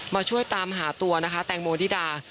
ช่วยตามหาตัวนะคะแตงโมนิดา